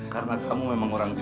karena kamu memang orang jujur